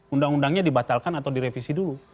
undang undangnya dibatalkan atau direvisi dulu